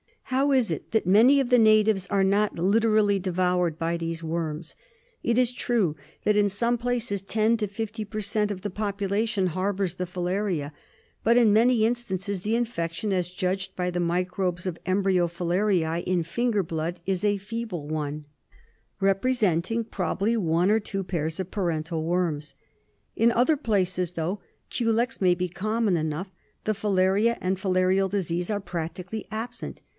How is it that many of the natives are not literally devoured by these worms? It is true that in some places ten to fifty per cent, of the population harbours the filaria. But in many instances the infection, as judged by the microbes of embryo filariae in finger blood, is a feeble one, representing probably one or two pairs of parental worms. In other places, though culex may be common enough, the filaria and filarial disease are practically absent.